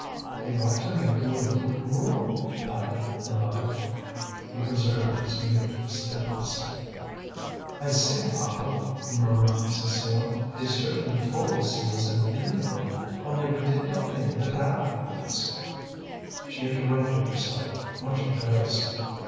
"They ought to make you a little gruel," added the mother. He preserved his mute stiffness. "I say, papa," murmured Cécile, "they certainly told us he was an invalid; only we did not think of it afterwards " She interrupted herself, much embarrassed.